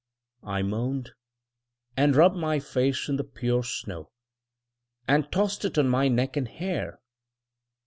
I moaned, and rubbed my face in the pure snow, and tossed it on my neck and hair.